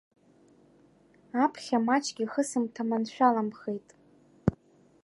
Аԥхьа маҷк ихысымҭа маншәаламхеит.